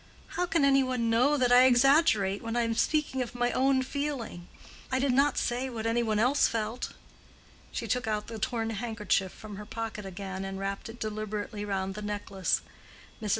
"How can any one know that I exaggerate, when I am speaking of my own feeling? I did not say what any one else felt." She took out the torn handkerchief from her pocket again, and wrapped it deliberately round the necklace. Mrs.